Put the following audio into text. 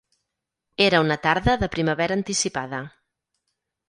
Era una tarda de primavera anticipada.